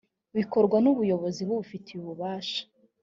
bikorwa n ubuyobozi bubifitiye ububasha